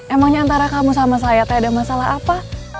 emangnya antara kamu sama saya teh ada masalah apa